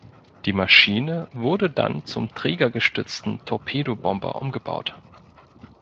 Die Maschine wurde dann zum trägergestützten Torpedobomber umgebaut.